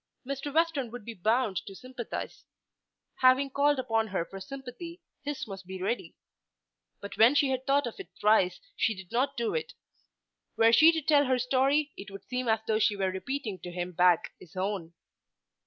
Mr. Western would be bound to sympathise. Having called upon her for sympathy, his must be ready. But when she had thought of it thrice she did not do it. Were she to tell her story it would seem as though she were repeating to him back his own.